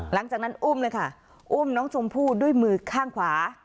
หลังจากนั้นอุ้มเลยค่ะอุ้มน้องชมพู่ด้วยมือข้างขวา